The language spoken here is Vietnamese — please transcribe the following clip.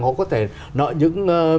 họ có thể nợ những